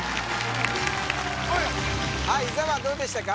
はい伊沢どうでしたか？